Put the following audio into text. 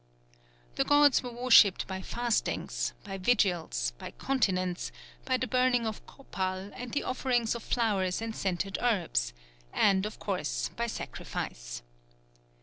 The gods were worshipped by fastings, by vigils, by continence, by the burning of copal and the offerings of flowers and scented herbs, and, of course, by sacrifice.